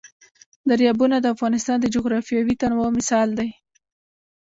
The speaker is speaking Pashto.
دریابونه د افغانستان د جغرافیوي تنوع مثال دی.